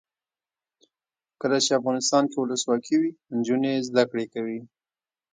کله چې افغانستان کې ولسواکي وي نجونې زده کړې کوي.